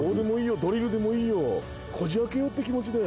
ドリルでもいいよこじ開けようって気持ちだよ